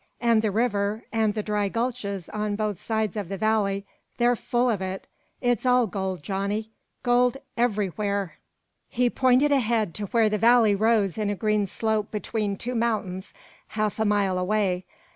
An' the river, an' the dry gulches on both sides of the valley they're full of it! It's all gold, Johnny gold everywhere!" He pointed ahead to where the valley rose in a green slope between two mountains half a mile away.